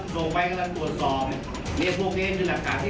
ขอมาสักที